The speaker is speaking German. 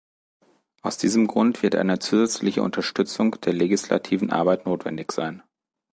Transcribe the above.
Aus diesem Grund wird eine zusätzliche Unterstützung der legislativen Arbeit notwendig sein.